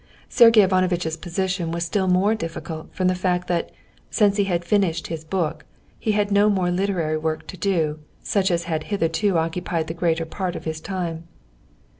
Sergey Ivanovitch's position was still more difficult from the fact that, since he had finished his book, he had had no more literary work to do, such as had hitherto occupied the greater part of his time.